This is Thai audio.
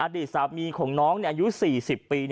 อดีตสามีของน้องอายุสี่สิบปี